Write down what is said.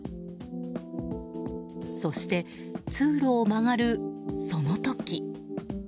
そして、通路を曲がるその時。